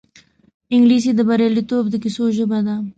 انګلیسي د بریالیتوب د کیسو ژبه ده